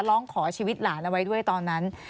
ร้องขอชีวิตหลานเอาไว้ด้วยตอนนั้น